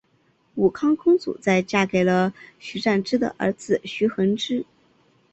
武康公主在嫁给了徐湛之的儿子徐恒之。